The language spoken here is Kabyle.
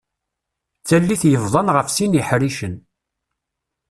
D tallit yebḍan ɣef sin yiḥricen.